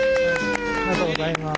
ありがとうございます。